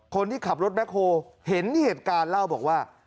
คนที่ขับรถแบ็คโฮเห็นเหตุการณ์เล่าบอกว่า